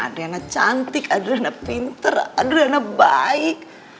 adriana cantik adriana pinter adriana baik